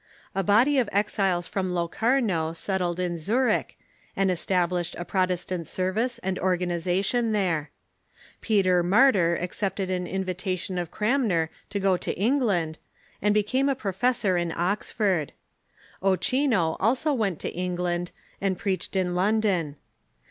A body of exiles from Locarno settled in Zurich, and established a Protestant service and organization there. Peter Martyr accepted an in vitation of Cranmer to go to England, and became a professor in Oxford. Ochino also went to England, and preached in London.